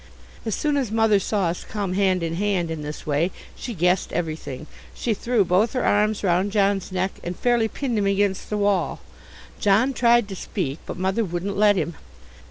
As soon as Mother saw us come in hand in hand in this way, she guessed everything. She threw both her arms round John's neck and fairly pinned him against the wall. John tried to speak, but Mother wouldn't let him.